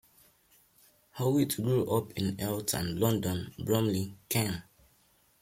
Howitt grew up in Eltham, London and Bromley, Ken.